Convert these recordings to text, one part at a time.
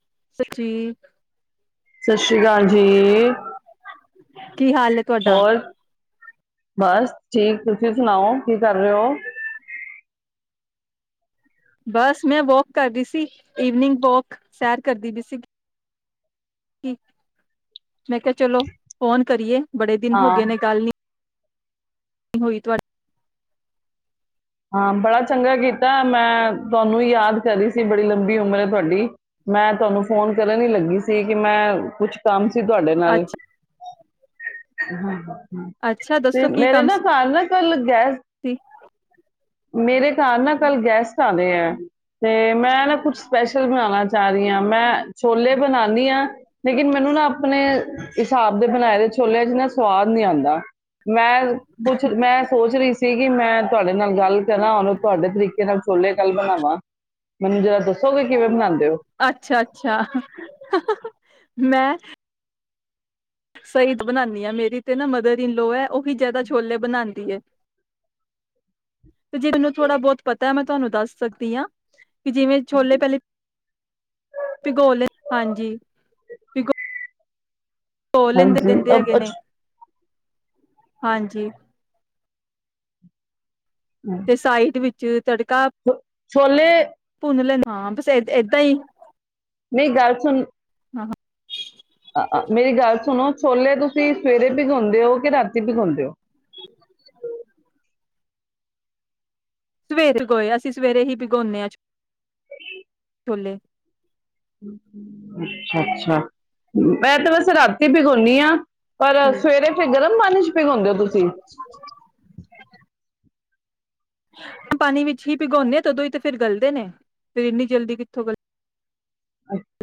[unintelligible] ਸਤਿ ਸ਼੍ਰੀ ਅਕਾਲ ਜੀ ਕੀ ਹਾਲ ਹੈ ਤੁਹਾਡਾ ਹੋਰ ਬਸ ਠੀਕ ਤੁਸੀਂ ਸੁਣਾਓ ਕੀ ਕਰ ਰਹੇ ਹੋ ਬਸ ਮੈਂ ਵੋਕ ਕਰਦੀ ਸੀ ਵਨਿੰਗ ਵੋਕ ਸੈਰ ਕਰਦੀ ਵੀ ਸੀ ਮੈਂ ਕਿਹਾ ਚਲੋ ਫੋਨ ਕਰੀਏ ਬੜੇ ਦਿਨ ਹੋ ਹਾਂ ਗਏ ਨੇ ਗੱਲ ਨੀ ਹੋਈ ਤੁਹਾਡੀ ਹਾਂ ਬੜਾ ਚੰਗਾ ਕੀਤਾ ਮੈਂ ਤੁਹਾਨੂੰ ਯਾਦ ਕਰ ਰਹੀ ਸੀ ਬੜੀ ਲੰਬੀ ਉਮਰ ਹੈ ਤੁਹਾਡੀ ਮੈਂ ਤੁਹਾਨੂੰ ਫੋਨ ਕਰਨ ਹੀ ਲੱਗੀ ਸੀ ਕਿ ਮੈਂ ਕੁਛ ਸ਼ਾਮ ਸੀ ਤੁਹਾਡੇ ਨਾਲ ਅੱਛਾ ਹਾਂ ਹਾਂ ਅੱਛਾ ਤੇ ਦੱਸੋ ਕੀ ਮੇਰੇ ਕੰਮ ਨਾ ਘਰ ਨਾ ਕੱਲ ਗੈਸ ਸੀ ਮੇਰੇ ਘਰ ਨਾ ਕੱਲ ਗੈਸਟ ਆਉਂਦੇ ਹੈ, ਤੇ ਮੈਂ ਨਾ ਕੁਛ ਸਪੈਸ਼ਲ ਬਣਾਉਣਾ ਚਾਹ ਰਹੀ ਹਾਂ ਮੈਂ ਛੋਲੇ ਬਣਾਉਂਦੀ ਹਾਂ ਲੇਕਿਨ ਮੈਨੂੰ ਨਾ ਆਪਣੇ ਹਿਸਾਬ ਦੇ ਬਣਾਏ ਦੇ ਛੋਲਿਆਂ ਚਨਾ ਸਵਾਦ ਨਹੀਂ ਆਉਂਦਾ ਮੈਂ ਕੁਛ ਮੈਂ ਸੋਚ ਰਹੀ ਸੀ ਸੀਗੀ ਮੈਂ ਤੁਹਾਡੇ ਮੇਰੇ ਨਾਲ ਗੱਲ ਤੇ ਨਾ ਹੁਣ ਤੁਹਾਡੇ ਤਰੀਕੇ ਨਾਲ ਛੋਲੇ ਕੱਲ ਬਣਾਵਾਂ ਮੈਨੂੰ ਜਰਾ ਦੱਸੋਗੇ ਕਿਵੇਂ ਬਣਾਉਂਦੇ ਹੋ ਅੱਛਾ ਅੱਛਾ ਮੈਂ ਸਹੀ ਬਣਾਉਦੀ ਆ, ਮੇਰੀ ਤੇ ਨਾ ਮਦਰ ਇਨ ਲੋੋ ਹੈ, ਔ ਹੀ ਜਿਆਦਾ ਛੋਲੇ ਬਣਾਉਦੀ ਹੈ, ਤੇ ਜੇ ਮੈਨੂੰ ਥੋੜਾ ਬਹੁਤ ਪਤਾ ਹੈ ਮੈਂ ਤੁਹਾਨੂੰ ਦੱਸ ਸਕਦੀ ਹਾਂ ਜਿਵੇਂ ਛੋਲੇ ਪਹਿਲੇ ਭਿਗੋਲੇ ਹਾਂਜੀ ਬਿਲਕੁਲ ਹਾਂਜੀ ਅ ਨੇ ਅੱਛ ਹਾਂਜੀ ਤੇ ਸਾਈਡ ਵਿੱਚ ਜਿਵੇੰ ਤੁਹਾਡੇ ੋ ਛੋਲੇ ਲੈਂਦੇ ਹਾਂ ਬਸ ਏਦਾਂ ਹੀ ਨਹੀਂ ਗੱਲ ਸੁਣ ਹਾਂ ਮੇਰੀ ਗੱਲ ਸੁਣੋ ਛੋਲੇ ਤੁਸੀਂ ਸਵੇਰੇ ਭਿਗਾਾਉਂਦੇ ਹੋ ਕਿ ਰਾਤੀ ਭਿਗਾਾਉਂਦੇ ਹੋ ਸਵੇਰੇ ਭਿਗੋਏ, ਅਸੀਂ ਸਵੇਰੇ ਹੀ ਭਿਗਉਦੇ ਹਾਂ ਛੋਲੇ ਅੱਛਾ, ਅੱਛਾ ਮੈਂ ਤੇ ਵੈਸੇ ਰਾਤੀ ਭਿਗੋਨੀ ਆਂ ਪਰ ਹੂੰ। ਸਵੇਰੇ ਫਿਰ ਗਰਮ ਪਾਣੀ ਚ ਭਿੱਗੋਂਦੇ ਹੋ ਤੁਸੀਂ ਹਾ ਪਾਣੀ ਵਿੱਚ ਹੀ ਭਿਗਾਉਂਦੇ ਹਾਂ ਉਦੋਂ ਹੀ ਫਿਰ ਗਲਦੇ ਨੇ ਫਿਰ ਇੰਨੀ ਜਲਦੀ ਕਿੱਥੋਂ ਗਲ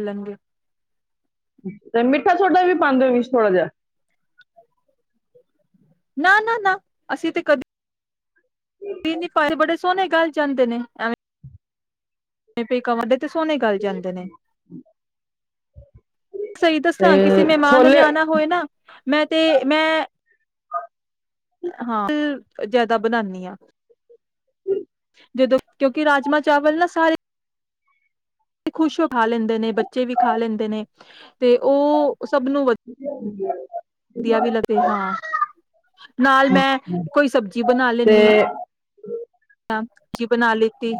ਲਹਿਗੇ ਤੇ ਮਿੱਠਾ ਸੋਡਾ ਵੀ ਪਾਉਂਦੇ ਹੋ ਵੀ ਥੋੜਾ ਜਹਾ ਨਾ, ਨਾ, ਨਾ ਅਸੀਂ ਤੇ ਕਦੇ ਪਰ ਬੜੇ ਸੋਹਣੇ ਗੱਲ ਜਾਂਦੇ ਨੇ ਐਵੇਂ ਮ ਕਮਡ [unintelligible] ਸੋਹਣੇ ਗੱਲ ਜਾਂਦੇ ਨੇ ਸਹੀ ਤੇ ਦੱਸਾਂ ਕਿਸੇ ਮਹਿਮਾਨ ਦੇ ਛੋਲੇ ਨਿਆਣਾ ਹੋਏ ਨਾ ਮੈਂ ਤੇ ਮੈਂ ਹਾਂ ਫਿਰ ਜਿਆਦਾ ਬਣਾਉਨੀ ਆਂ ਅੱਛ [inaudible] ਜਦੋਂ ਕਿਉਂਕਿ ਰਾਜਮਾਂ ਚਾਵਲ ਨਾ ਸਾਰੇ ਖੁਸ਼ ਹੋ ਖਾ ਲੈਂਦੇ ਨੇ ਬੱਚੇ ਵੀ ਖਾ ਲੈਂਦੇ ਨੇ ਤੇ ਉਹ ਸਭ ਨੂੰ ਵ [unintelligible] ਵਧੀਆ ਵੀ ਲੱਗੇ ਹਾਂ ਨਾਲ ਮੈਂ ਕੋਈ ਸਬਜ਼ੀ ਬਣਾ ਲੈਂਦੀ ਤੇ ਹਾਂ ਕਿ ਬਣਾ ਲਿੱਤੀ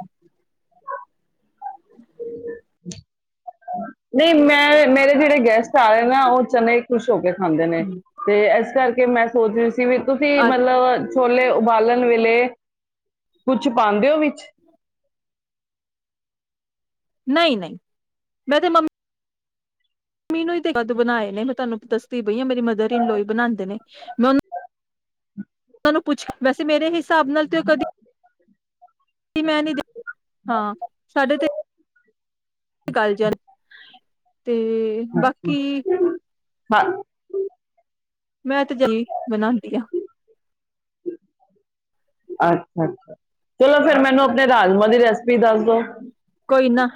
ਨਹੀਂ ਮੈਂ ਮੇਰੇ ਜਿਹੜੇ ਗੈਸਟ ਆ ਰਹੇ ਨਾ ਉਹ ਚਨੇ ਖੁਸ਼ ਹੋ ਗਏ ਖਾਂਦੇ ਨੇ ਤੇ ਇਸ ਕਰਕੇ ਮੈਂ ਸੋਚ ਰਹੀ ਸੀ ਵੀ ਤੁਸੀਂ ਅ ਮਤਲਬ ਛੋਲੇ ਬਾਲਣ ਵੇਲੇ ਕੁਛ ਪਾਉਂਦੇ ਹੋ ਵਿੱਚ ਨਹੀਂ ਨਹੀਂ ਮੈਂ ਤੇ ਮੰਮੀ ਮੈਨੂੰ ਕਦ ਬਣਾਏ ਨੇ ਮੈਂ ਤੁਹਾਨੂੰ ਦੱਦੀ ਬਈਏ ਮੇਰੀ ਮਦਰ ਇਨਲੋਈ ਬਣਾਉਂਦੇ ਨੇ [unintelligible] ਉਹ ਨੂੰ ਪੁੱਛ ਕੇ ਵੈਸੇ ਮੇਰੇ ਹ ਹਿਸਾਬ ਨਾਲ ਤੇ ਕਦੀ ਮੈਂ ਨ ਹਾਂ ਸਾਡੇ ਤੇ ਗਾਲਜਨ ਤੇ ਬਾਕੀ ਹਾਂ ਮੈਂ ਤੇ ਜਲੀ ਬਣਾਉਂਦੀ ਹਾਂ ਅੱਛਾ ਅੱਛਾ ਚਲੋ ਫੇਿਰ ਮੈਨੂੰ ਆਪਣੇ ਰਾਜਮਾਂ ਦੀ ਰੈਸਿਪੀ ਦੱਸ ਦੋ ਕੋਈ ਨਾ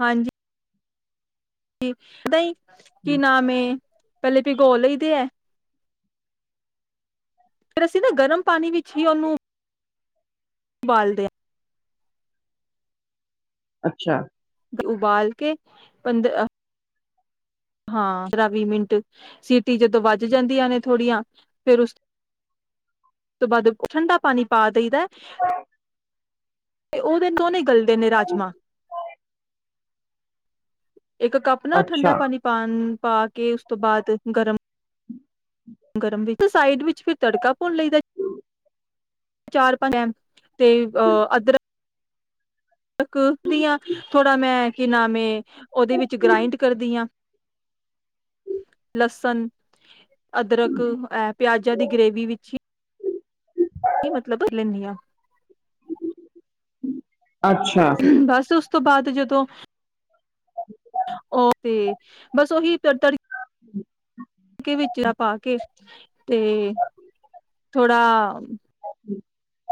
ਹਾਂਜੀ ਜਦ ਹੀ ਕੀ ਨਾਮ ਪਹਿਲੇ ਪ ਗੋ ਲਈ ਦੇ ਐ ਫਰ ਅਸੀਂ ਨਾ ਗਰਮ ਪਾਣੀ ਵਿੱਚ ਹੀ ਉਹਨੂੰ ਬਾਲਦੇ ਅੱਛਾ ਉਬਾਲ ਕੇ ਪੰਦਰ ਹਾਂ ਪੰਦਰਾਂ ਵੀਹ ਮਿੰਟ ਸੀਟੀ ਜਦੋਂ ਵੱਜ ਜਾਂਦੀਆਂ ਨੇ ਥੋੜ੍ਹੀਆਂ ਫੇਿਰ ਉਸ ਉਸ ਤੋਂ ਬਾਅਦ ਠੰਡਾ ਪਾਣੀ ਪਾ ਦੇਦਾ ਤੇ ਉਹਦੇਨ ਦੋਨੇ ਗੱਲ ਦੇ ਨੇ ਰਾਜਮਾਂ ਇੱਕ ਕੱਪ ਨਾ ਠੰਡਾ ਅੱਛਾ ਪਾਣੀ ਪਾਉਣ ਪਾ ਕੇ ਉਸ ਤੋਂ ਬਾਅਦ ਗਰਮ ਗਰਮ ਵਿੱਚ ਤੇ ਸਾਈਡ ਵਿੱਚ ਫਿਰ ਤੜਕਾ ਪਾਉਣ ਲਈ ਦਾ ਚਾਰ ਪੰਜ ਐ ਤੇ ਅਹ ਅਦਰਕ ਕਦੀ ਆ ਥੋੜਾ ਮੈਂ ਕੀ ਨਾਮ ਉਹਓਦੇ ਵਿੱਚ ਗ੍ਰਾਇੰਡ ਕਰਦੀ ਹਾਂ ਲਸਣ ਅਦਰਕ ਆ ਪਿਆਜਾ ਦੀ ਗ੍ਰੇਵੀ ਵਿੱਚ ਹੀ ਮਤਲਬ ਲੈਂਦੀ ਆ ਅੱਛਾ [unintelligible] ਉਸ ਤੋਂ ਬਾਅਦ ਜਦੋਂ ਉਹ ਤੇ ਬਸ ਉਹੀ ਤ ਤਰੀ ਕੇ ਵਿਚਲਾ ਪਾ ਕੇ ਤੇ ਥੋੜਾ ਹਾਂ। [inaudible]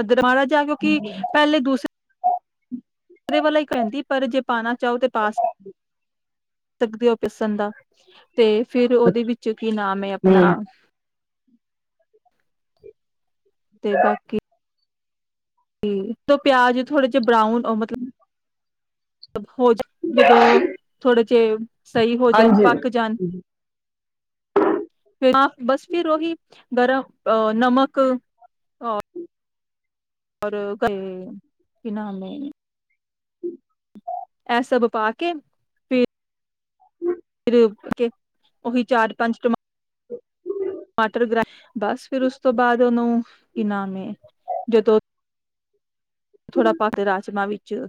ਅਦਰਕ ਮਾੜਾ ਜਿਹਾ ਕਿਉਕਿ ਪਹਿਲੇ ਦੂਸਰੇ ਵਾਲਾ ਹੀ ਕਹਿੰਦੀ ਪਰ ਜੇ ਪਾਉਣਾ ਚਾਹੋ ਤੇ ਪਾਸ ਸਕਦੇ ਹੋ ਪਿਸਣ ਦਾ ਤੇ ਫਿਰ ਉਹਦੇ ਵਿੱਚ ਕੀ ਨਾਮ ਹੈ ਹਮ ਆਪਣਾ ਤੇ ਬਾਕੀ ਤੇ ਤੋਂ ਪਿਆਜ ਥੋੜੇ ਜਹੇ ਬਰਾਊਨ ਉਹ ਮਤਲਬ ਹੋ ਜਾਣ ਜਦੋਂ ਥੋੜੇ ਜੇ ਸਹੀ ਹੋ ਜਾਣ, ਹਾਂਜੀ ਪੱਕ ਜਾਣ ਫਿਰ ਨਾ ਬਸ ਫਿਰ ਉਹੀ ਗਰਮ ਅ ਨਮਕ ਅ ਔਰ [unintelligible] ਕੀ ਨਾਮ ਐ ਐ ਸਭ ਪਾ ਕੇ ਫਿਰ ਫਿਰ ਕੇ ਉਹੀ ਚਾਰ, ਪੰਜ ਟਮਾਟਰ [inaudible] ਟਮਾਟਰ ਗ੍ਰਾ ਬਸ ਫਿਰ ਉਸ ਤੋਂ ਬਾਅਦ ਉਹਨੂੰ ਕੀ ਨਾਮ ਹੈ ਜਦੋਂ ਥੋੜਾ ਪਾ ਕੇ ਰਾਜਮਾਂ ਵਿੱਚ ਚ,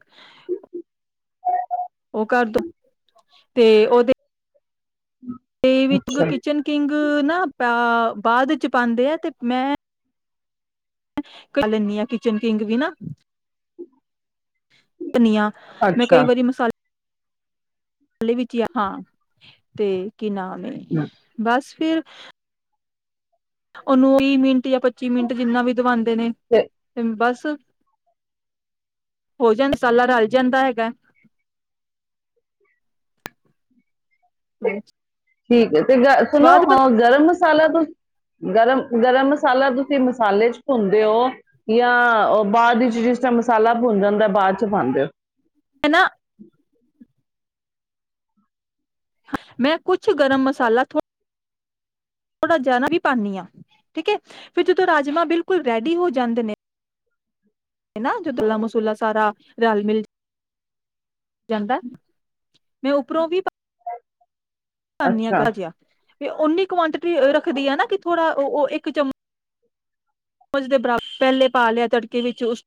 ਉਹ ਕਰਦੋ ਤੇ ਉਹਦੇ ਤੇ ਵਿੱਚ ਅੱਛਾ ਕਿਚਨ ਕਿੰਗ ਨਾ ਨਾ ਬਾ ਬਾਅਦ ਚ ਪਾਂਦੇ ਆ, ਤੇ ਮੈਂ ਕਿਚਨ ਕਿੰਗ ਵੀ ਨਾ। ਧਨੀਆ ਮੈਂ ਅੱਛਾ ਕਈ ਵਾਰੀ ਮਸਾਲੇ [unintelligible] ਗਲੀ ਵਿੱਚ ਹੀ ਆ ਹਾਂ ਤੇ ਕੀ ਨਾਮ ਏ, ਹਮ, ਬਸ ਫਿਰ ਉਹਨੂੰ ਵੀਹ ਮਿੰਟ ਯ ਪੱਚੀ ਮਿੰਟ ਜਿੰਨਾ ਵੀ ਦਵਾਉਂਦੇ ਨੇ। ਤੇ ਬਸ। ਭੌਜਨ ਮਸਾਲਾ ਰਲ ਜਾਂਦਾ ਹੈਗਾ। ਤੇ ਠੀਕ ਹੈ ਤੇ ਗੱਲ ਸੁਣੋ ਸਵਾਦ ਬਣ ਅ ਗਰਮ ਮਸਾਲਾ ਮਸਾਲਾ ਤੁਸੀ ਗਰਮ-ਗਰਮ ਮਸਾਲਾ ਤੁਸੀਂ ਮਸਾਲੇ ਚ ਭੁੰਨਦੇ ਹੋ, ਯਾ ਉਹ ਬਾਅਦ ਵਿੱਚ ਜਿਸ ਟਾਈਮ ਮਸਾਲਾ ਭੁੰਨ ਜਾਂਦਾ ਹੈ, ਬਾਅਦ ਚ ਪਾਂਦੇ ਹੋ ਨਾ ਮੈਂ ਕੁਛ ਗਰਮ ਮਸਾਲਾ ਥੋ ਥੋੜਾ ਜਿਆਦਾ ਹੀ ਪਾਨੀ ਹਾਂ ਠੀਕ ਹੈ, ਫਿਰ ਜਦੋਂ ਰਾਜਮਾਂ ਬਿਲਕੁਲ ਰੈਡੀ ਹੋ ਜਾਂਦੇ ਨੇ ਨਾ, ਜਦੋ ਮਸਾਲਾ ਮੁਸਾਲਾ ਸਾਰਾ ਰਲ ਮਿਲ ਜਾਂਦਾ ਹੈ ਮੈਂ ਉਪਰੋਂ ਵੀ ਪਾਨੀ ਹਾਂ ਅੱਛਾ ਹਲਕਾ ਜੇਹਾ ਤੇ ਉਨੀ ਕੁਆਂਟਿਟੀ ਰੱਖਦੀ ਆ ਨਾ ਕਿ ਥੋੜਾ ਉਹ-ਉਹ ਇੱਕ ਚਮਮਚ ਦੇ ਬਰਾਬਰ ਪਹਿਲੇ ਪਾ ਲਿਆ ਤੜਕੇ ਵਿੱਚ, ਉਸ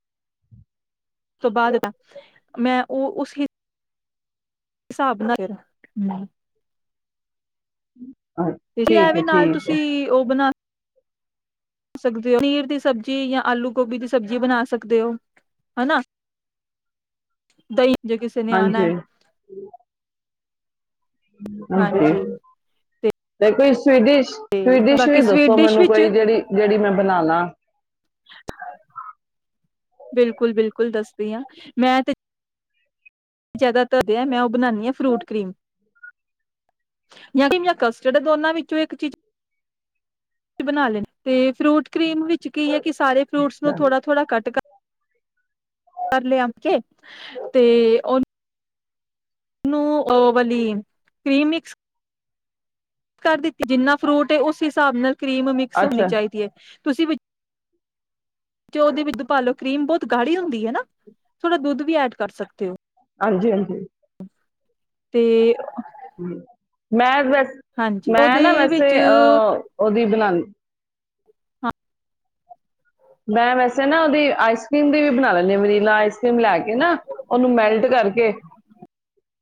ਤੋਂ ਬਾਅਦ ਮੈਂ ਉਹ ਉਸ ਹੀ ਹਿਸਾਬ ਨਾ [unintelligible] ਹਮ। ਅ, ਤੇ ਠੀਕ ਇਹ ਵੀ ਹੈ ਨਾਲ ਠੀਕ ਹੈ ਤੁਸੀਂ ਉਹ ਬਣਾ ਸਕਦੇ ਹੋ, ਪਨੀਰ ਦੀ ਸਬਜ਼ੀ ਯਾਂ, ਆਲੂ ਗੋਭੀ ਦੀ ਸਬਜ਼ੀ ਬਣਾ ਸਕਦੇ ਹੋ ਹਨਾ, ਦਹੀਂ ਜੇ ਕਿਸੇ ਨੇ ਆਣਾ ਹਾਂਜੀ ਹੈ ਹਾਂਜੀ ਤੇ ਕੋਈ ਕੋਈ ਡਿਸ਼, ਤੇ ਕੋਈ ਡਿਸ਼ ਵੀ ਬਾਕੀ ਸਵੀਟ ਦੱਸੋ ਡਿਸ਼ ਮੈਨੂੰ ਵਿੱਚ ਕੋਈ ਜਿਹੜੀ ਜਿਹੜੀ ਮੈਂ ਬਣਾ ਲਾ ਬਿਲਕੁਲ ਬਿਲਕੁਲ ਦੱਸਦੀ ਹਾਂ, ਮੈਂ ਤੇ ਜ਼ਿਆਦਾ ਧਰਦੇ ਆ ਮੈਂ ਬਣਾਨੀ ਆ ਫਰੂਟ ਕਰੀਮ ਜਾਂ ਕਸਟਡ ਦੋਨਾਂ ਵਿੱਚੋਂ ਇੱਕ ਚੀਜ਼ ਬਣਾ ਲੈਣੇ, ਤੇ ਫਰੂਟ ਕਰੀਮ ਵਿੱਚ ਕੀ ਹੈ ਕਿਸ ਸਾਰੇ ਫਰੂਟ ਨੂੰ ਅੱਛਾ ਥੋੜਾ ਥੋੜਾ ਕਟ ਕਰ ਕੇ ਤੇ ਉਹਨੂੰ ਨੂੰ ਓਵਲੀ ਕ੍ਰੀਮ ਮਿਕਸ ਕਰ ਦਿੱਤੀ ਜਿੰਨਾ ਫਰੂਟ ਹੈ, ਉਸ ਹਿਸਾਬ ਨਾਲ ਕਰੀਮ ਮਿਕਸ ਹੋਣੀ ਅੱਛਾ ਚਾਹੀਦੀ ਹੈ। ਤੁਸੀਂ ਓਦੇ ਵਿੱਚ ਪਾਲੋ, ਕਰੀਮ ਬਹੁਤ ਗਾੜੀ ਹੁੰਦੀ ਹੈ ਨਾ, ਥੋੜਾ ਦੁੱਧ ਵੀ ਐਡ ਕਰ ਸਕਦੇ ਹੋ। ਹਾਂਜੀ ਹਾਂਜੀ ਤੇ ਮੈਂ ਵੈਸ ਹਾਂਜੀ ਮੈਂ ਨਾ ਉਹਦੇ ਵੈਸੇ ਵਿੱਚ ਅਹ ਉਹਦੀ ਬਣਾਉਣੀ ਹਾਂ ਮੈਂ ਵੈਸੇ ਨਾ ਉਹਦੀ ਆਈਸ ਕਰ੍ਰੀਮ ਦੀ ਵੀ ਬਣਾ ਲੈਂਦੀ ਹਾਂ ਵਨੀਲਾ ਆਈਸ ਕਰ੍ਰੀਮ ਲੈ ਕੇ ਨਾ ਉਹਨੂੰ ਮੈਲਟ ਕਰਕੇ,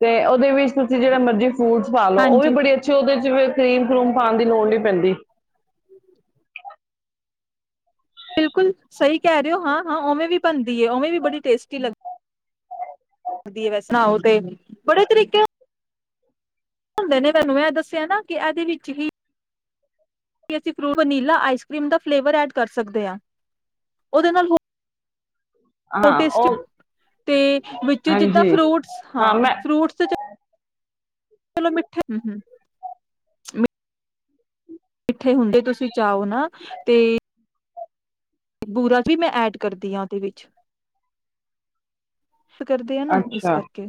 ਤੇ ਉਹਦੇ ਵਿੱਚ ਤੁਸੀਂ ਜਿਹੜੇ ਮਰਜ਼ੀ ਫੂਟਸ ਪਾ ਲਓ ਉਹ ਵੀ ਹਾਂਜੀ ਬੜੀ ਅੱਛੀ ਉਹਦੇ ਕਰੀਮ ਕਰੂਮ ਪਾਉਣ ਦੀ ਲੋੜ ਨੀ ਪੈਂਦੀ ਬਿਲਕੁਲ ਸਹੀ ਕਹਿ ਰਹੇ ਹੋ ਹਾਂ ਹਾਂ ਉਵੇਂ ਵੀ ਬਣਦੀ ਹੈ ਉਵੇਂ ਵੀ ਬੜੀ ਟੇਸਟੀ ਲੱਗਾ ਹਦੀ ਵੈ ਸੁਣਾਓ ਤੇ ਬੜੇ ਤਰੀਕੇ ਹੁੰਦੇ ਨੇ ਮੈਨੂੰ ਇਹ ਦੱਸਿਆ ਨਾ ਕਿ ਇਹਦੇ ਵਿੱਚ ਹੀ ਅਸੀਂ ਫਰੂਟ ਵਨੀਲਾ ਆਈਸ ਕਰ੍ਰੀਮ ਦਾ ਫਲੇਵਰ ਐਡ ਕਰ ਸਕਦੇ ਹਾਂ ਉਹਦੇ ਨਾਲ ਹੋ ਹਾਂ ਟ ਉਹ ਤੇ ਵਿੱਚੋਂ ਜਿੱਦਾਂ ਹਾਂਜੀ ਫਰੂਟਸ ਹਾਂ ਫਰੂਟਸ ਚਲੋ ਮਿੱਠੇ ਹ ਹ ਮਿੱਠੇ ਹੁੰਦੇ ਤੁਸੀਂ ਚਾਹਓ ਨਾ ਤੇ ਬੂਰਾ ਵੀ ਮੈਂ ਐਡ ਕਰਦੀ ਹਾਂ ਉਹਦੇ ਵਿੱਚ ਕਰਦੇ ਆ ਨਾ ਇਸ ਅੱਛਾ ਕਰਕੇ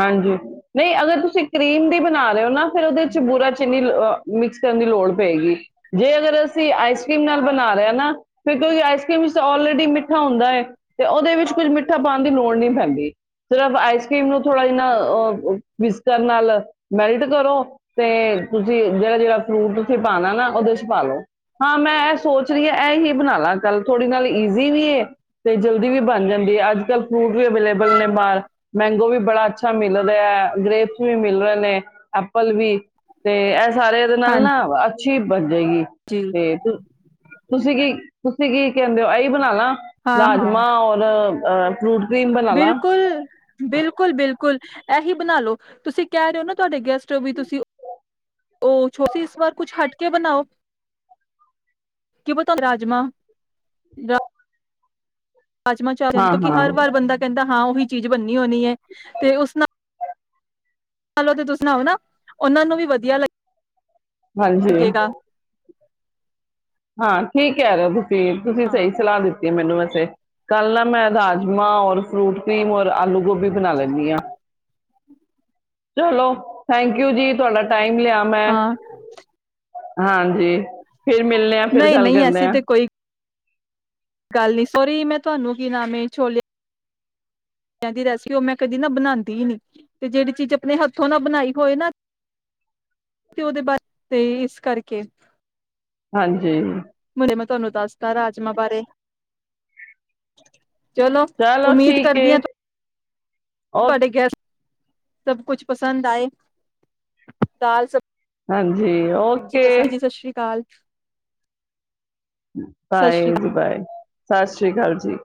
ਹਾਂਜੀ ਨਹੀਂ ਅਗਰ ਤੁਸੀਂ ਕਰੀਮ ਦੀ ਬਣਾ ਰਹੇ ਹੋ ਨਾ ਫਿਰ ਉਹਦੇ ਚ ਬੁਰਾ ਚੀਨੀ ਮਿਕਸ ਕਰਨ ਦੀ ਲੋੜ ਪਏਗੀ, ਜੇ ਅਗਰ ਅਸੀਂ ਆਈਸ ਕਰ੍ਰੀਮ ਨਾਲ ਬਣਾ ਰਹੇ ਹਾਂ ਨਾ ਫਿਰ ਕਿਉਂਕਿ ਆਈਸ ਕਰ੍ਰੀਮ ਵਿੱਚ ਆਲਰੇਡੀ ਮਿੱਠਾ ਹੁੰਦਾ ਹੈ, ਤੇ ਉਹਦੇ ਵਿੱਚ ਕੁਝ ਮਿੱਠਾ ਪਾਉਣ ਦੀ ਲੋੜ ਨਹੀਂ ਪੈਂਦੀ ਸਿਰਫ ਆਈਸ ਕਰ੍ਰੀਮ ਨੂੰ ਥੋੜ੍ਹਾ ਜਿ ਨਾ ਅ ਵਿਸਕਰ ਨਾਲ ਮੈਲਟ ਕਰੋ, ਤੇ ਤੁਸੀਂ ਜਿਹੜਾ ਜਿਹੜਾ ਫਰੂਟ ਉੱਥੇ ਪਾਣਾ ਨਾ ਉਹਦੇ ਚ ਪਾਾਲੋ ਹਾਂ, ਮੈਂ ਇਹ ਸੋਚ ਰਹੀ ਹਾਂ ਇਹ ਹੀ ਬਣਾ ਲਾ ਚੱਲ ਥੋੜ੍ਹੀ ਨਾਲ ਈਜ਼ੀ ਵੀ ਏ ਤੇ ਜਲਦੀ ਵੀ ਬਣ ਜਾਂਦੀ ਹੈ ਅੱਜ ਕੱਲ੍ਹ ਫਰੂਟ ਵੀ ਅਵੇਲੇਬਲ ਨੇ ਮਾਲ ਮੈਂਗੋ ਵੀ ਮਿਲ ਰਿਹਾ ਹੈ। ਗ੍ਰੇਪਸ ਵੀ ਮਿਲ ਰਹੇ ਨੇ, ਐਪਲ ਵੀ, ਤੇ ਸਾਰੇ ਉਹਦੇ ਨਾਲ ਨਾ ਹਾਂਜੀ [unintelligible] ਜਾਏਗੀ ਤੇ, ਤੁ ਤੁਸੀਂ ਕੀ, ਤੁਸੀਂ ਕੀ ਕਹਿੰਦੇ ਹੋ ਇਹੀ ਬਣਾਲਾ ਹਾਂ-ਹਾਂ ਰਾਜਮਾਂ ਔਰ ਅ ਫਰੂਟ ਕਰੀਮ ਬਣਾ ਲਾ ਬਿਲਕੁਲ, ਬਿਲਕੁਲ ਬਿਲਕੁਲ ਬਿਲਕੁਲ ਇਹੀ ਬਣਾਲੋ ਤੁਸੀਂ ਕਹਿ ਰਹੇ ਹੋ ਨਾ, ਤੁਹਾਡੇ ਗੈਸਟ ਵੀ ਤੁਸੀਂ ਉਹ ਛੋ ਇਸ ਵਾਰ ਕੁਛ ਹਟ ਕੇ ਬਣਾਓ ਕੀਤਾ ਰਾਜਮਾ ਰਾਮਾ ਚਾ ਹਾਂ ਕਿਉਂਕ ਹਾਂ ਹਰ ਵਾਰ ਬੰਦਾ ਕਹਿੰਦਾ ਹਾਂ ਉਹੀ ਚੀਜ਼ ਬੰਨੀ ਹੋਣੀ ਹੈ, ਤੇ ਉਸ ਨਾਲ ਲੋ ਤੇ ਤੂੰਂ ਸੁਣਾਓ ਨਾ, ਉਹਨਾਂ ਨੂੰ ਵੀ ਵਧੀਆ ਲੱਗ- ਹਾਂਜੀ ਹਾਂ ਠੀਕ ਹੈ ਯਾਰ ਤੇ ਫਿਰ ਤੁਸੀਂ ਸਹੀ ਹਾਂ। ਸਲਾਹ ਦਿੱਤੀ ਮੈਨੂੰ ਵੈਸੇ ਕੱਲ ਨਾ ਮੈਂ ਰਾਜਮਾਂ, ਔਰ ਫਰੂਟ ਕਰੀਮ, ਔਰ ਆਲੂ ਗੋਭੀ ਵੀ ਬਣਾ ਲੈਂਦੀ ਹਾਂ। ਚਲੋ, ਥੈਂਕ ਯੂ ਜੀ ਤੁਹਾਡਾ ਟਾਈਮ ਲਿਆਮੈ ਹਾਂ, ਹਾਂਜੀ ਫਿਰ ਮਿਲਨੇ ਆ ਫਿਰ ਨਹੀਂ, ਗੱਲ ਨਹੀਂ ਕਰਦੇ ਐਸੀੇ ਆ ਤੇ ਕੋਈ ਗੱਲ ਨੀ ਸੋਰੀ, ਮੈਂ ਤੁਹਾਨੂੰ ਕੀ ਨਾਮ ਹੈ ਛੋਲੇ ਦੀ ਰੈਸਪੀ ਉਹ ਮੈਂ ਕਦੀ ਨਾ ਬਣਾਉਂਦੀ ਹੀ ਨੀ, ਤੇ ਜਿਹੜੀ ਚੀਜ਼ ਆਪਣੇ ਹੱਥੋਂ ਨਾ ਬਣਾਈ ਹੋਏ ਨਾ, ਤੇ ਉਹਦੇ ਬਾਸ ਤੇ ਇਸ ਕਰਕੇ ਹਾਂਜੀ ਮੁੜੇ ਮੈਂ ਤੁਹਾਨੂੰ ਦੱਸਦਾ ਰਾਜਮਾਂ ਬਾਰੇ ਚਲੋ ਉਮੀਦ ਠੀਕ ਏ ਕਰਦੀ ਹ ਤੂੰ ਓ ਤੁਹਾਡੇ ਗੈਸ ਸਭ ਕੁਛ ਪਸੰਦ ਆਏ, ਦਾਲ ਸਭ ਹਾਂਜੀ ਓਕੇ ਸਤਿ [inaudible] ਸਤਿ ਬਾਏ ਸ੍ਰੀ ਜੀ ਬਾਏ ਸਤ ਸ਼੍ਰੀ ਸਤਿ ਸ਼੍ਰੀ ਅਕਾਲ ਜੀ